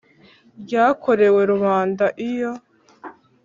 ryakorewe rubanda iyo